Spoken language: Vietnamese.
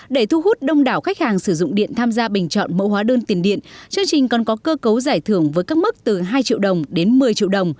để thu hút đông đảo khách hàng sử dụng điện tham gia bình chọn mẫu hóa đơn tiền điện chương trình còn có cơ cấu giải thưởng với các mức từ hai triệu đồng đến một mươi triệu đồng